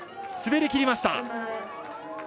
滑りきりました。